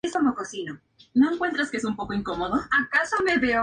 Sus compañeros de familia desconocen que Raz es un Gigante.